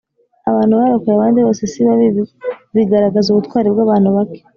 Abantu barokoye abandi bose si babi bigaragaza ubutwari bw abantu bake